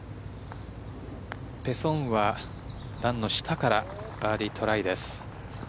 ペ・ソンウは段の下からバーディートライです。